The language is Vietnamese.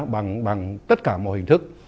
bằng tất cả mọi hình thức